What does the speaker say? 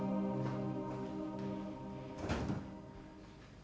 tentang apa yang terjadi